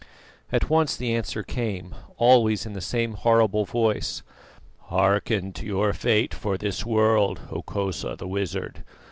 At once the answer came, always in the same horrible voice: "Hearken to your fate for this world, Hokosa the wizard.